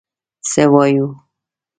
څه وایو.